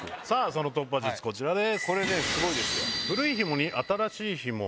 その突破術こちらです。